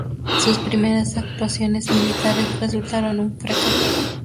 Sus primeras actuaciones militares resultaron un fracaso.